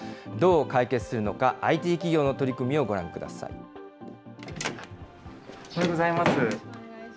どう解決するのか、ＩＴ企業の取り組みをご覧ください。